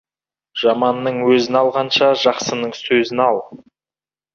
Жаманның өзін алғанша, жақсының сөзін ал.